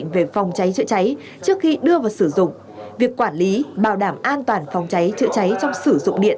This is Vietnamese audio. việc quản lý bảo đảm an toàn phòng cháy chữa cháy trong sử dụng điện